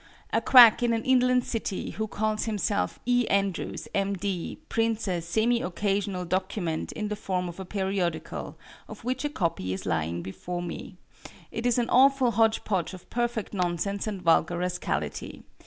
A quack in an inland city, who calls himself E. Andrews, M. D., prints a "semi occasional" document in the form of a periodical, of which a copy is lying before me. It is an awful hodgepodge of perfect nonsense and vulgar rascality.